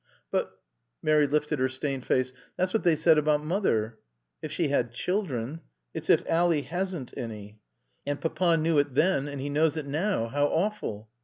"But" Mary lifted her stained face "that's what they said about Mother." "If she had children. It's if Ally hasn't any." "And Papa knew it then. And he knows it now how awful."